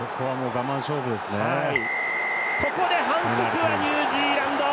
ここで反則はニュージーランド！